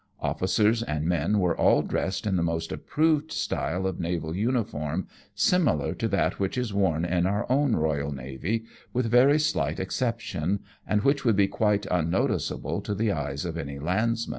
OflScers and men were all dressed in the most approved style of naval uniform, similar to that which is worn in our own Eoyal Navy, with very slight excep tion, and which would be quite unnoticeable to the eyes of any landsman.